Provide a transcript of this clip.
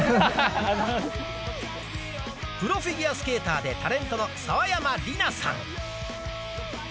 プロフィギュアスケーターでタレントの澤山璃奈さん。